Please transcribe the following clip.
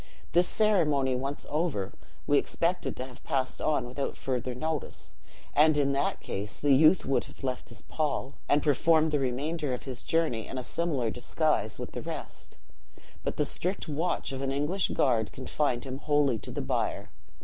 This ceremony once over, we expected to have passed on without further notice; and in that case the youth would have left his pall, and performed the remainder of his journey in a similar disguise with the rest; but the strict watch of an English guard confined him wholly to the bier.